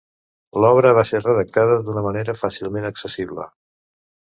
L'obra va ser redactada d'una manera fàcilment accessible.